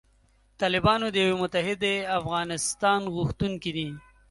طالبان د یوې متحدې افغانستان غوښتونکي دي.